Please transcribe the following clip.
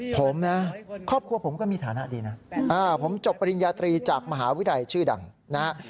ผมนะครอบครัวผมก็มีฐานะดีนะผมจบปริญญาตรีจากมหาวิทยาลัยชื่อดังนะฮะ